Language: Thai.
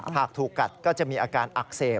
ถูกกัดก็จะมีอาการอักเสบ